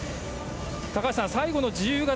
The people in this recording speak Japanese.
高橋さん、最後の自由形